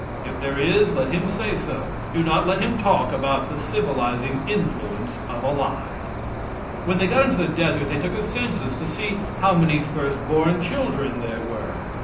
If there is, let him say so. Do not let him talk about the civilizing influence of a lie. When they got into the desert they took a census to see how man first born children there were.